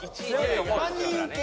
万人受け